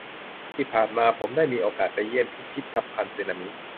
ที่ผ่านมาผมได้มีโอกาสไปเยี่ยมพิพิธภัณฑ์สึนามิ